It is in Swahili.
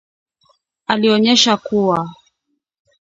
Alionyesha kuwa